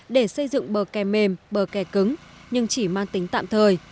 để xây dựng bờ kè mềm bờ kè cứng nhưng chỉ mang tính tạm thời